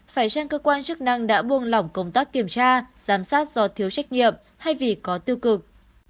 phải chăng cơ quan chức năng đã buông lỏng công tác kiểm tra giám sát do thiếu trách nhiệm thay vì có tiêu cực